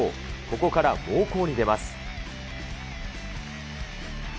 ここから猛攻に出ます。